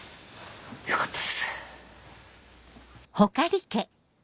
よかったです。